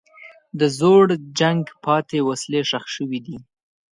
د زوړ جنګ پاتې وسلې ښخ شوي دي.